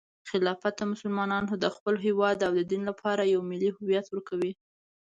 خلافت مسلمانانو ته د خپل هیواد او دین لپاره یو ملي هویت ورکوي.